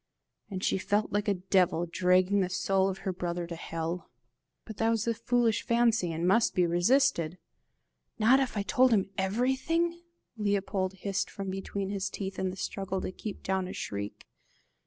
And she felt like a devil dragging the soul of her brother to hell. But that was a foolish fancy, and must be resisted! "Not if I told him everything?" Leopold hissed from between his teeth in the struggle to keep down a shriek.